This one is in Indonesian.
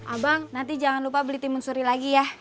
abang nanti jangan lupa beli timun suri lagi ya